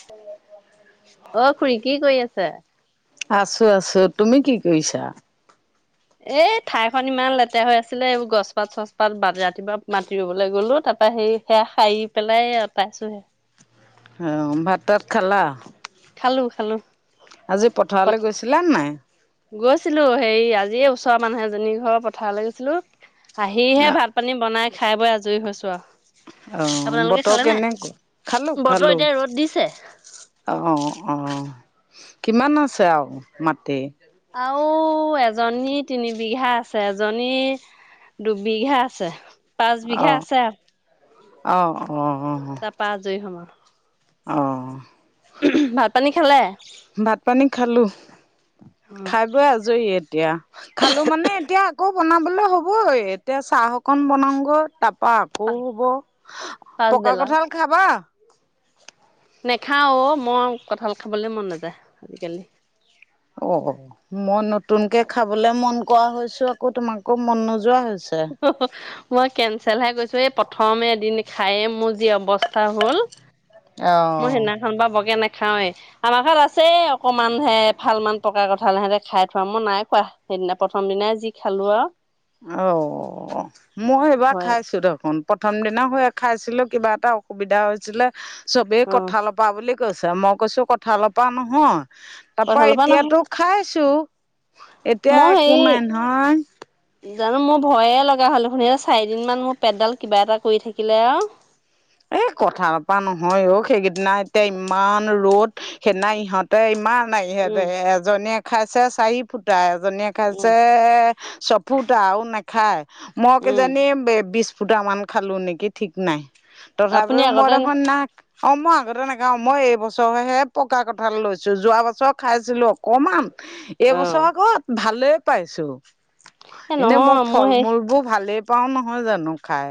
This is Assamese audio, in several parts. [unintelligible] অ' খুুৰী কি কৰি আছে? আছো আছো, তুমি কি কৰিছা? এই ঠাইখন ইমান লেতেৰা হৈ আছিলে, এইবোৰ গছপাত চছপাত বা ৰাতিপুৱা মাটিৰুবলৈ গ'লো, তাপা সেই- সেয়া শাৰি পেলাই অতাইছুহে। হে অ ম ভাত তাত খালা? খালো খালো, আজি পথাৰলৈ পত- গৈছিলা নাই গৈছিলো হেৰি আজি ওচৰৰ মানুহ এজনী ঘৰৰ পথাৰলে গৈছিলো। আহিহে ভাত পানী বনাই খাই বৈ আজৰি হৈছো আও। অ' বতৰ কেনেকু, খালো বতৰ খালো। এতিয়া ৰ'দ দিছে অঁ অঁ' কিমান আছে আৰু মাটি? আও এজনী তিনি বিঘা আছে, এজনী- দুবিঘা আছে। পাঁচ বিঘা অ' আছে অ অ অহ'। পা আজ ই হম আউ অঁ ভাত পানী খালে? ভাত পানী খালোঁ। খাই বৈ আজৰি এতিয়া, খালো মানে এতিয়া আকৌ বনাবলে হ'বই এতিয়া চাহ অকন বনাওগৈ তাপ পা আকৌ অ হ'ব, পকা পাছবেলা কঁঠাল খাবা? নেখাওঁ অ মই কঁঠাল খাবলৈ মন নাযায় আজিকালি। অ অ মই নতুনকে খাবলে মন কৰা হৈছো অ আকৌ তোমাকো মন নোযোৱা হৈছে। হু হু মই কেঞ্চেলহে কৈছোঁ এই প্ৰথমে এদিন খায়েই মোৰ যি অৱস্থা হ'ল। মই অ'। সেইদিনাখন পা বকে নাখাৱে। আমাৰ ঘৰত আছে এ অকমান হে এফাল মান পকা কঠাল হেহেটে খাই থোৱা, মই নাই খোৱা। সেইদিনা, প্ৰথম দিনাই যি খালো আও অ মই এইবাৰ ভয় খাইছো দেখোন। প্ৰথম দিনা হে খাইছিলো কিবা এটা অসুবিধা হৈছিলে চবেই অ কঠাল প পা হোৱা বুলি কৈছে মই কৈছো কঠালৰ পৰা নহয়। তাপা কঁঠালৰ পৰা নহয় এতিয়াতো খাইছো এতিয়া মই একো হেৰি নাই নহয়। জানো মোৰ ভয়ে লগা হ'ল দেখোন এই চাৰিদিনমান মোৰ পেটডাল কিবা এটা কৰি থাকিলে আৰু এই কঠালৰ পৰা নহয় অ সেইকেইদিনা এতিয়া ইমান ৰ'দ সেইদিনা ইহঁত, তে ইমান ইহেঁতে উম এজনীয়ে খাইছে চাৰি ফুটা এজনীয়ে উম খাইছে চফুতা আৰু নেখায় মই উম কিজানি বিশ ফুটা মান খালো নেকি ঠিক নাই আপুনি তথাপিও মোৰ আগতে দেখোন নাই অ মই আগতে নখাওঁ মই এইবছৰহে পকা কঁঠাল লৈছো যোৱা বছৰ খাইছিলো অকমান অ এইবছৰ আকৌ ভালে পাইছো। এ এনে মই নহয় মোৰ ফল সেই মূল বোৰ ভালেই পাও নহয় জানো খাই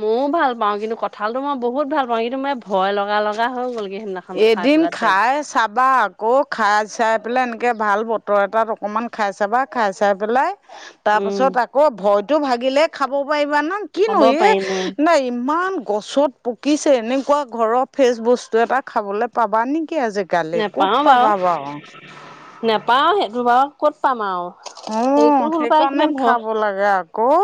মইও ভাল পাওঁ কিন্তু কঁঠালটো মই বহুত ভাল পাওঁ কিন্তু মই ভয় লগা লগা হৈ গ'লগে সেদিনা এদিন খাই চাবা আকৌ খাই চাই পেলাই এনেকৈ ভাল বতৰ এটাত অকণমান খাই চাবা খাই চাই পেলাই তাৰ উম পাছত আকৌ ভয়তো ভাগিলে খাব পাৰিবা ন কিনো খাব এ পাৰিম অ নাই ইমান গছত পকিছে এনেকুৱা ঘৰৰ ফ্ৰেচ বস্তু এটা খাবলৈ পাবা নেকি আজিকালি ক'ত পাবা বাৰু নাপাও সেইটো বাৰু ক'ত পাম আৰু অ' হেটো ফালৰ পৰা সেইকাৰণে কিবা ভয় খাব লাগে আকৌ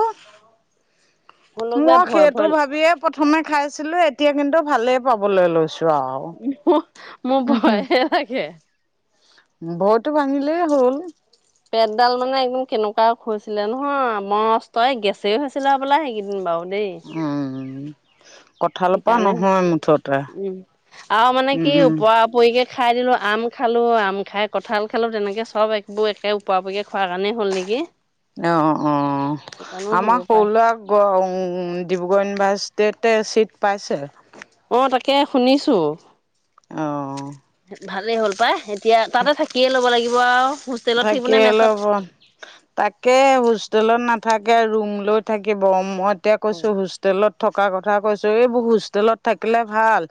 হ'লেও কিবা মই ভয় সেইটো ভয় ভাবিয়ে প্ৰথমে খাইছিলো এতিয়া কিন্তু ভালেই পাবলৈ লৈছো। আৰু মো অ মোৰ ভয়হে লাগে ভয়তো ভাঙিলেই হ'ল। পেটডাল মানে একদম কেনেকুৱা হৈছিলে নহয় মস্ত এই গেছেই হৈছিলে হবলা সেইকেইদিন বাৰু দেই উম কঁঠালৰ পৰা সেইকাৰণে নহয় মুঠতে কৈছো উম আৰু মানে উম কি উম ওপৰা পৰিকে খাই দিলোঁ আম খালোঁ আম খাই কঁঠাল খালোঁ তেনেকে চব একবোৰ একে, উপৰা উপৰিকে খোৱাৰ কাৰণেই হ'ল নেকি অ অ সেইটো কাৰণেও হ'ব আমাৰ সৰু পাৰে, লৰা ক উ ডিব্ৰুগড় ইউনিভাৰ্চিটিতে ছিট পাইছে। অ তাকে শুনিছো। অহ ভালেই হ'ল পায় এতিয়া তাতে থাকিয়ে ল'ব লাগিব আৰু হোস্ট থাকে লব তাকে হোষ্টেলত, নাথাকে ৰুম লৈ থাকিব মই এতিয়া অ। কৈছোঁ! হোষ্টেলত থকা কথা কৈছোঁ এইবোৰ হোষ্টেলত, থাকিলে ভাল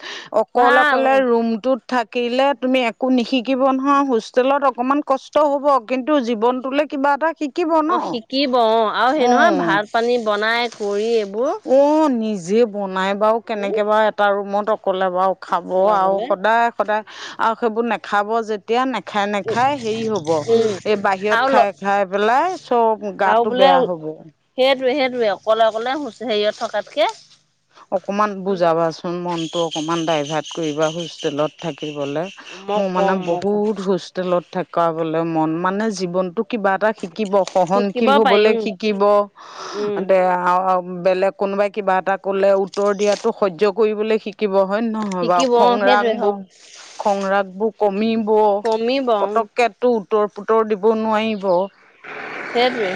অকলে ভাল অকলে অ ৰুমটোত থাকিলে তুমি একো নিশিকিব নহয় হোষ্টেলত অকণমান কষ্ট হ'ব কিন্তু জীৱনটোলৈ কিবা এটা শিক অ শিকিব অ আৰু সেই নহয় ভাত, পানী বনাই কৰি এইবোৰ- অ নিজে বনাই বাৰু উম কেনেকে বাৰু এটা ৰুমত অকলে বাৰু খাব আৰু চলাবলে সদায়- সদায় আৰু সেইবোৰ নেখাব যে তেতিয়া নেখায় নেখায় হেৰি হ'ব। উম এই আৰু বাহিৰত ল খাই খাই পেলাই সব আৰু গাটো বোলে বেয়া হ'ব। সেইটোৱে সেইটোৱে অকলে অকলে হুচ হেৰিয়ত থকাতকে অকমান উম বুজাবাচোন মনতটো অকমান ডাইভাৰ্ট, কৰিবা হোষ্টেলত থাকিবলে। মই মোৰ মানে কম মই কম বহুত হোষ্টেলত থকা বোলে মন মানে জীৱনটো কিবা এটা। শিকিব শিকিব সহনশীল হ'বলে পাৰিম শিকিব উম দেহাও বেলেগ। কোনোবাই কিবা এটা ক'লে উত্তৰ দিয়াটো সহ্য কৰিবলৈ শিক থাকিব হয় নহয় বাৰু শিকিব অ খংৰাগ সেইটোৱে হয় বুক খং ৰাগবোৰ কমিব কমিব উম পতককেটো উত্তৰ পোতৰ দিব নোৱাৰিব। সেইটোৱে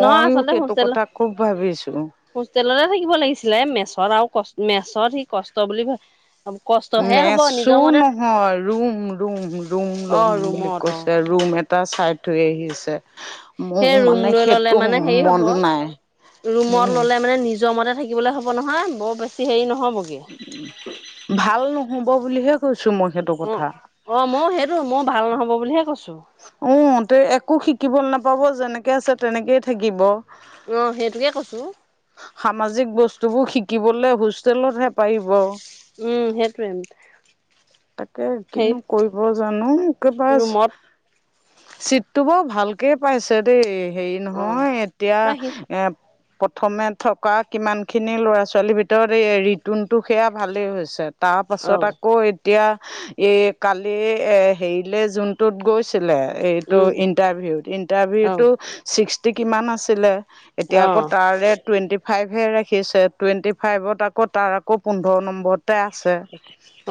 নহয় আচলতে সেইটো হোষ্টেলত কথা খুব ভাবিছো। হোষ্টেলতে থাকিব লাগিছিলে এ মেছত আৰু কছ মেছত সি কষ্ট বুলি ভাব মেচো নহয় ৰুম ৰুম ৰুম অ ৰুম বুলি ৰুমত অ কৈছে। ৰুম এটা এটা চাই থৈ আহিছে। মোৰ সেই ৰুম মানে লৈ ললে সেইটো মানে হেৰি মন হ'ব নাই ৰুমত মোৰ ললে মানে নিজ নিজৰ মতে থাকিবলৈ হ'ব নহয় বৰ বেছি হেৰি নহ'বগে। ভাল নহ'ব বুলিহে কৈছো মই সেইটো অ কথা। অ মইও সেইটো মই ভাল নহব বুলিহে কৈছো। উ তে একো শিকিব নাপাব যেনেকে আছে তেনেকেই থাকিব। অঁ সেইটোকে কৈছোঁ। সামাজিক বস্তুবোৰ শিকিবলৈ হোষ্টেলতহে পাৰিব। উম সেইটোৱে। তাকে সেই কিনো কৰিব জানো কিবাছ ৰুমত চিটটো বৰ ভালকে পাইছে দেই হেৰি অ নহয় এতিয়া ন সি এপ থমে থকা কিমানখিনি ল'ৰা ছোৱালীৰ ভিতৰত এই ৰিতুনটো, সেয়া ভালেই হৈছে। অ তাৰপাছত আকৌ এতিয়া এই কালি এ হেৰিলে জোনটোত গৈছে। ছিলে এইটো উম ইণ্টাৰভিউত অ ইণ্টাৰভিউটো, ছিক্সটি কিমান আছিলে। এতিয়া অ আকৌ তাৰে টুৱেণ্টি ফাইভহে ৰাখিছে টুৱেণ্টি ফাইভত আকৌ তাৰ আকৌ পোন্ধৰ নম্বৰত তে আছে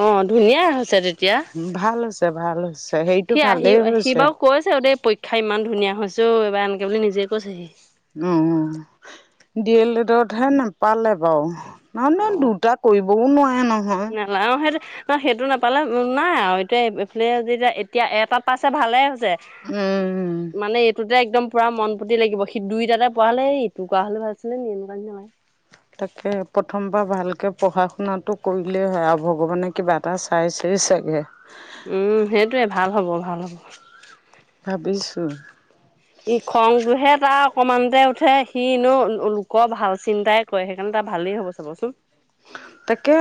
অ ধুনীয়া হৈছে তেতিয়া ভাল হৈছে ভাল হৈছে। সেইটো সি আহি ভালেই সি হৈছে বাৰু কৈছে অ দেই পৰীক্ষা ইমান ধুনীয়া হৈছেও এইবাৰ আনকে বুলি নিজে কৈছে। সি উম ডি এল এডত হে নাপালে বাৰু নহ ন দুটাত কৰিবও নোৱাৰে নহয়। [unintelligible] [inaudible] না সেইটো নাপালে উম নাইয়া আৰু এতিয়া এইফালে যেতিয়া এতিয়া এটাত পাইছে ভালে হৈছে। উম মানে। টোতে একদম পুৰা মন প্ৰতি লাগিব সি দুইটাতে পঢ়া হ'লে হ এই ইটো পোৱা হ'লে ভাল আছিলে এনেকুৱা। তাকে প্ৰথমবাৰ ভালকৈ পঢ়া শুনাটো কৰিলেই হয় আৰু ভগৱানে কিবা এটা চাই চেই চাগে। অ। উম সেইটোৱে ভাল হ'ব ভাল হ'ব। ভাবিছোঁ। ই খংটোহে তাৰ অকমানতে উঠে সিনো লোকৰ ভাল চিন্তাই কৰে সেইকাৰণে তাৰ ভালেই হ'ব। চাবচোন। তাকে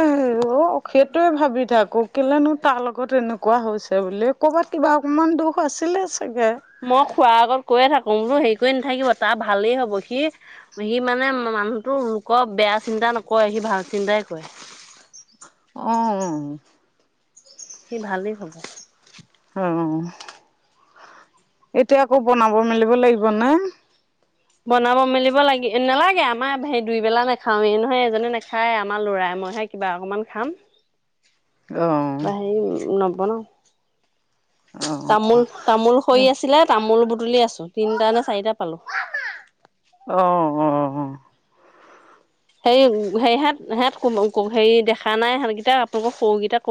অ সেইটোৱে ভাবি থাকো কেলেনো তাৰ লগত এনেক। কোৱো হৈছে বুলি ক'ৰবাত কিবা অকণমান দোখ আছিলে চাগে। মই খুৰাৰ আগত কৈয়ে থাকো বোলো হেৰি কৰি নাথাকিব তাৰ ভালেই হ'ব সি। সি মানে মানুহটো লোকৰ বেয়া চিন্তা নকৰে সি ভাল চিন্তাই কৰে। অ। সি ভালেই হ'ব। অ এতিয়া আকৌ বনাব মেলিব লাগিব না। বনাব মেলিব লাগি নালাগে আমাৰ সেই দুইবেলা নাখাওৱে নহয় এজনে নাখায় আমাৰ লৰাই মইহে। কিবা অকণমান খাম। অ' বা সেই নবনাও। অ' তামোল তামোল সৰি আছিলে তামোল বুটলি আছো তিনটা নে চাৰিটা পালো। অ অ অ অ। সেৰি হেৰিহ সিহঁত হেৰি দেখা নাই সহঁতকেইটা আপোনালোকৰ সৰুকেইটাক।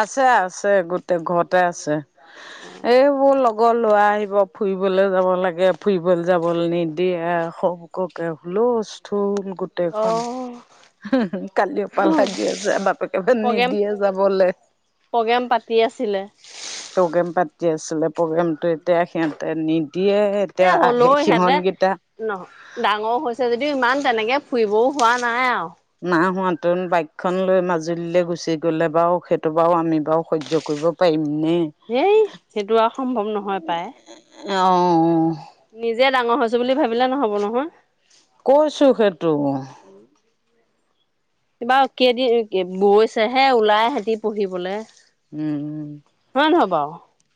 আছে আছে গোটেই ঘৰতে আছে। অ অ এই মোৰ লগৰ ল'ৰা আহিব ফুৰিবলৈ যাব লাগে ফুৰিবলৈ যাবলৈ নিদিয়ে আকৌ। ককে হুলুষ্ঠল গোটেইখন। ওমহো কালিৰ পৰা লাগি আছে বাপেকে প্ৰগ্ৰেম নিদিয়ে যাবলৈ। প্ৰগ্ৰেম পাতি আছিলে। প্ৰগ্ৰেম পাতি আছিলে প্ৰগ্ৰেমটো এতিয়া সিহঁতে নিদিয়ে। এতিয়া আহে সিহনকেইটা। ন ডাঙৰ হৈছে যদিও ইমান তেনেকে ফুৰিবও হোৱা নাই আৰু। না হোৱা নতুন বাইক খন লৈ মাজুলীলৈ গুচি। গ'লে বাৰু সেইটো বাৰু আমি বাৰু সহ্য কৰিব পাৰিমনে। হেই সেইটো আৰু সম্ভৱ নহয় পায়। অঅ। নিজে ডাঙৰ হৈছোঁ বুলি ভাবিলে নহ'ব নহয়। কৈছো সেইটো। কিবা কেইদিন বৈছেহে ওলাই সেতি পঢ়িবলৈ। হয় নে নহয় বাও।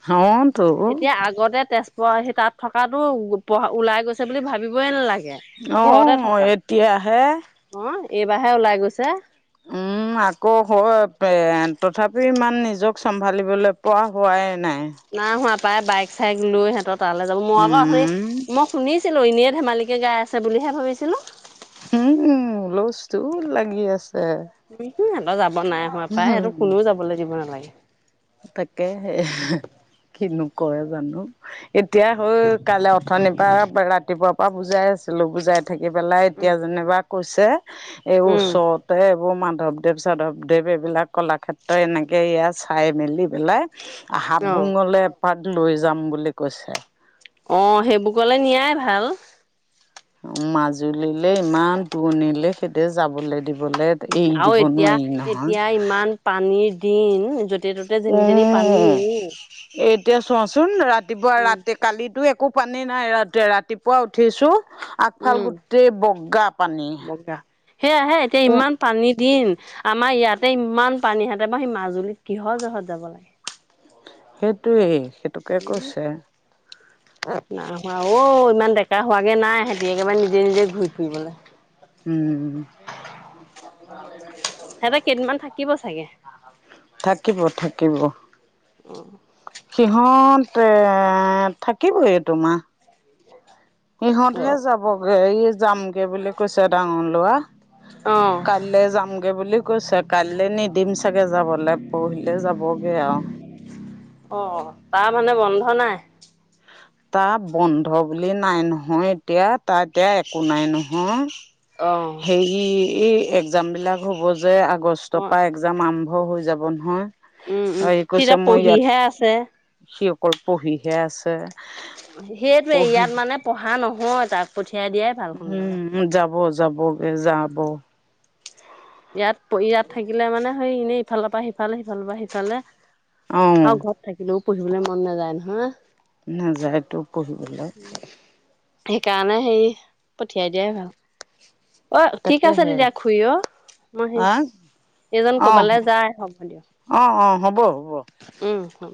হটো। এতিয়া আগতে তেজপুৰ সি তাত থকাতো ওলাই গৈছে বুলি ভাবিবই নালাগে। অ ঘৰতে থকা এতিয়া হে। অ এইবাৰহে ওলাই গৈছে। উম। আকৌ এ তথাপি ইমান নিজক চম্ভালিবলৈ পোৱা হোৱাই নাই। নাই হোৱা প্ৰায় বাইক চাইক লৈ সিহঁত তালৈ যাব মো আ উঠনি। উম, মই শুনিছিলো এনেই ধেমালিকে গাই আছে বুলিহে ভাবিছিলো। উম লজটো লাগি আছে। [inaudible] সিহতৰ যাব নাই হোৱা পায় সিহতক হম কোনো যাবলি দিব নালাগে। তাকে [inaudible] কিনো কয় জানো। এতিয়া হল কাইলৈ অথনিৰ পৰা ৰাতিপুৱাৰ পৰা বুজাই আছিলো বুজাই। থাকি পেলাই এতিয়া যেনিবা কৈছে এই উম, ওচৰত। টে এইবোৰ মাধৱদেৱ সাধৱদেৱ এইবিলাক কলাক্ষেত্ৰ এনেকে ইয়াত চাই মেলি পেলাই। অ', হাবুঙলে এপাত লৈ যাম বুলি কৈছে। অ সেইবোৰ কলে নিয়াই ভাল। মাজুলীলে ইমান দৰণিলে সেইটো যাবলৈ দিব। গ'লে এৰি আৰু দিব এতিয়া নোৱাৰি নহয়। এতিয়া ইমান পানীৰ দিন যতে ত'তে যেনি তেনি পানী উম উম। এতিয়া চোৱাচোন ৰাতিপুৱা উম, ৰাতি। কালিতো একো পানী নাই ৰা ৰাতিপুৱা উঠিছো। আগফাল উম, গোটেই বগা পানী বগা সেয়াহে এতিয়া কু। ইমান পানী দিম আমাৰ ইয়াতে ইমান পানীহেঁতে মাৰ সেই মাজুলীত কিহৰ জহত যাব লাগে। সেইটোৱেই দৰকাৰ সেইটোকে কৈছে। নহোৱা অ', ইমান ডেকা হোৱাগে নাই সিহতি একেবাৰে নিজে নিজে ঘূৰি ফুৰিবলৈ। উম,। সিহঁতে কেইদিনমান থাকিব চাগে থাকিব থাকিব। অ'। সিহঁতে থাকিবই এটো মাহ। ইহঁতহে অ', যাবগে ই যামগে বুলি কৈছে ডাঙৰ লোৱা। অ'। কাইলে যাম। গে বুলি কৈছে কাইলে নিদিম চাগৈ যাবলে পৰহিলে যাবগে আও। অ 'অ তাৰ মানে বন্ধ নাই। তাৰ বন্ধ বুলি নাই নহয় এতিয়া তাত এতিয়া একো নাই নহ। অঁ'। হে এই একজাম বিলাক হ'ব যে আগষ্টৰ পৰা একজাম আৰম্ভ হৈ যাব নহয়। উম উম হেৰি সি কৈছে এতিয়া মই ইয়াত পঢ়িহে আছে। সি অকল পঢ়িহে আছে। সেইটোয়ে পঢ়ি ইয়াত মানে পঢ়া নহয় তাক পঠিয়াই দিয়াই। ভাল সোনকালে। উম, যাব যাবগে যাব। ইয়াত ইয়াত থাকিলে মানে সেই এনেই ইফালৰ পৰা সিফালে সিফালৰ পৰা সিফালে অ আৰু। [inaudible] থাকিলেও পঢ়িবলৈ মন নাযায় নহয়। নাযায়তো পঢ়িবলৈ। সেইকাৰণে হেৰি পঠিয়াই দিয়াই ভাল। অ', ঠিক আছে তাকেহে তেতিয়া খুহ অ', মই সে। আহ এইজন অ কবালে যায় হ'ব দিয়ক অ অ হ'ব হ'ব। উম, হম।